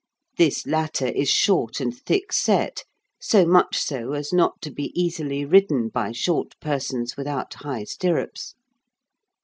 This latter is short and thick set, so much so as not to be easily ridden by short persons without high stirrups.